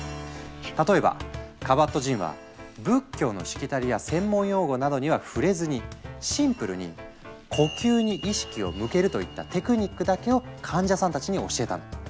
例えばカバットジンは仏教のしきたりや専門用語などには触れずにシンプルに「呼吸に意識を向ける」といった「テクニック」だけを患者さんたちに教えたの。